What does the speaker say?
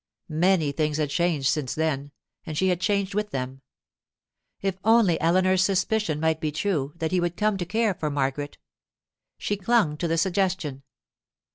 Many things had changed since then, and she had changed with them. If only Eleanor's suspicion might be true, that he would come to care for Margaret! She clung to the suggestion.